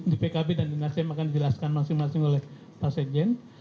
di pkb dan di nasdem akan dijelaskan masing masing oleh pak sekjen